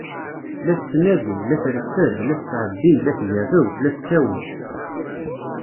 La tettnadi, la treffed, la tettɛebbi, la tgerrew, la tettawi.